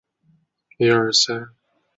聚变能指利用核聚变产生能量。